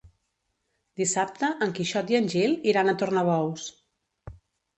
Dissabte en Quixot i en Gil iran a Tornabous.